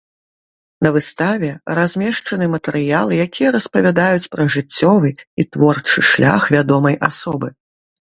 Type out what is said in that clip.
На выставе размешчаны матэрыялы, якія распавядаюць пра жыццёвы і творчы шлях вядомай асобы.